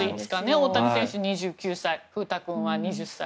大谷選手、２９歳風太君は２０歳。